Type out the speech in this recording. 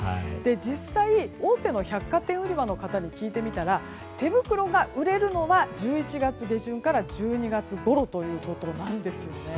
実際、大手の百貨店売り場の方に聞いてみたら手袋が売れるのは１１月下旬から１２月ごろということなんです。